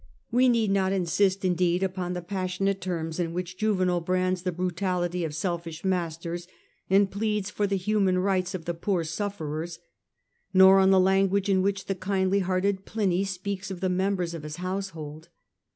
We need not insist, indeed, upon the passionate terms in which Juvenal brands ^ the brutality of selfish masters, and pleads change of for the human rights of the poor sufferers, {hought^on nor on the language in which the kindly the subject of hearted Pliny speaks of the members of his * household.